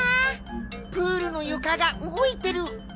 プールのゆかがうごいてる！